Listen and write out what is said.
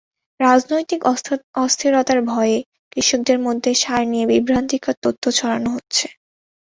রাজনৈতিক অস্থিরতার ভয়ে কৃষকদের মধ্যে সার নিয়ে বিভ্রান্তিকর তথ্য ছড়ানো হচ্ছে।